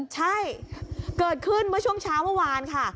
ใช่เกิดขึ้นเมื่อช่วงเช้าเมื่อวานค่ะ